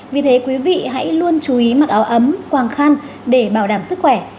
vì thế quý vị hãy luôn chú ý mặc áo ấm quàng khăn để bảo đảm sức khỏe